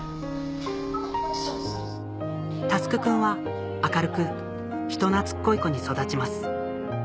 奨君は明るく人懐っこい子に育ちます